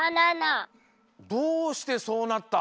どうしてそうなった？